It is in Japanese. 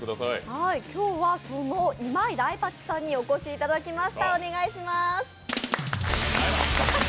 今日はその、今井らいぱちさんにお越しいただきました。